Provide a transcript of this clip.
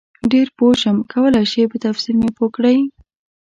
ډېر پوه شم کولای شئ په تفصیل مې پوه کړئ؟